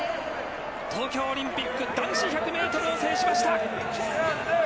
東京オリンピック男子１００ｍを制しました。